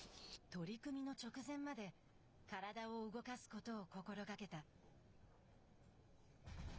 取組の直前まで体を動かすことを心がけた。